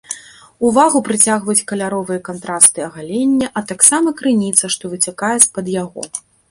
Увагу прыцягваюць каляровыя кантрасты агалення, а таксама крыніца, што выцякае з-пад яго.